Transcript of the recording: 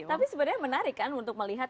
tapi sebenarnya menarik kan untuk melihat